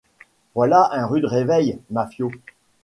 Voilà un rude réveil, Maffio!